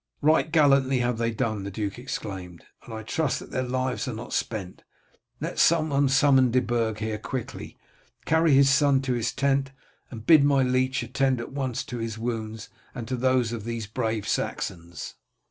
"Right gallantly have they done," the duke exclaimed, "and I trust that their lives are not spent. Let someone summon De Burg here quickly. Carry his son to his tent, and bid my leech attend at once to his wounds and to those of these brave Saxons."